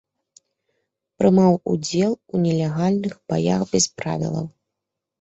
Прымаў удзел у нелегальных баях без правілаў.